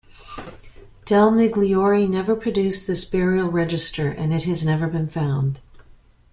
Del Migliore never produced this burial register, and it has never been found.